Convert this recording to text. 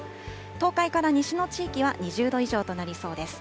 東海から西の地域は２０度以上となりそうです。